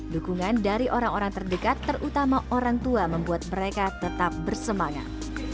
dukungan dari orang orang terdekat terutama orang tua membuat mereka tetap bersemangat